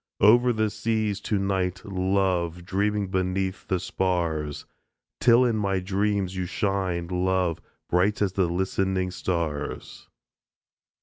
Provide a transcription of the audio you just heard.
Over the seas to night, love, Dreaming beneath the spars Till in my dreams you shine, love, Bright as the listening stars.